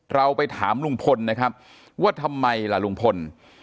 เราไปถามลุงพลนะครับว่าทำไมล่ะลุงพล